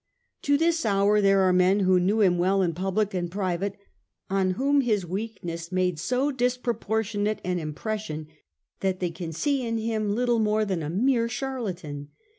To this hour there are men who knew him well in public and private on whom his weaknesses made so dispropor tionate an impression that they can see in him little more than a mere charlatan.